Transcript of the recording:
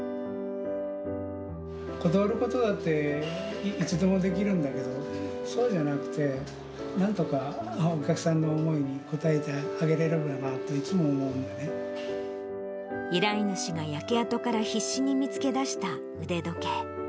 断ることだって、いつでもできるんだけど、そうじゃなくて、なんとかお客さんの思いに応えてあげられればなっていつも思うの依頼主が焼け跡から必死に見つけ出した腕時計。